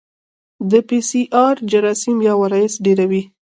د پی سي ار جراثیم یا وایرس ډېروي.